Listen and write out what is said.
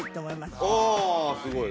あすごい